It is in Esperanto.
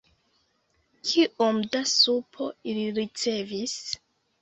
Kiom da supo ili ricevis?